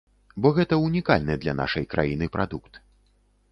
Бо гэта ўнікальны для нашай краіны прадукт.